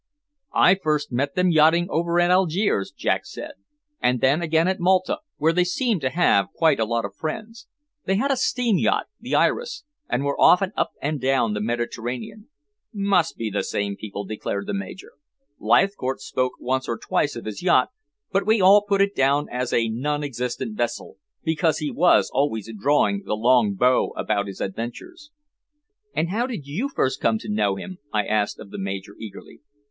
"I first met them yachting over at Algiers," Jack said. "And then again at Malta, where they seemed to have quite a lot of friends. They had a steam yacht, the Iris, and were often up and down the Mediterranean." "Must be the same people," declared the Major. "Leithcourt spoke once or twice of his yacht, but we all put it down as a non existent vessel, because he was always drawing the long bow about his adventures." "And how did you first come to know him?" I asked of the Major eagerly.